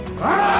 はい。